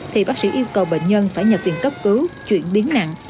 thì bác sĩ yêu cầu bệnh nhân phải nhập viện cấp cứu chuyển biến nặng